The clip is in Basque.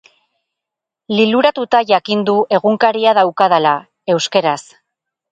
Liluratuta jakin du Egunkaria daukadala, euskeraz.